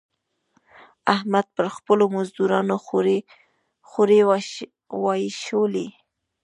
احمد پر خپلو مزدورانو خورۍ واېشولې.